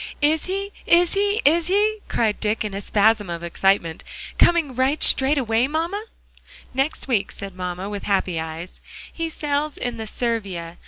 "Is he is he is he?" cried Dick in a spasm of excitement, "coming right straight away, mamma?" "Next week," said mamma, with happy eyes, "he sails in the Servia.